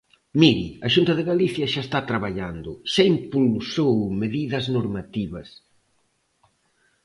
Mire, a Xunta de Galicia xa está traballando, xa impulsou medidas normativas.